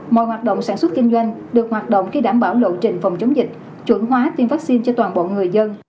mọi hoạt động sản xuất kinh doanh được hoạt động khi đảm bảo lộ trình phòng chống dịch chuẩn hóa tiêm vaccine cho toàn bộ người dân